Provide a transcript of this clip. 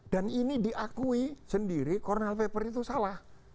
dan ini diakui sendiri kornel paper itu salah